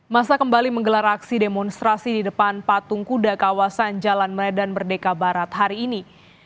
masa kembali menggelar aksi demonstrasi di depan patung kuda kawasan jalan medan merdeka barat hari ini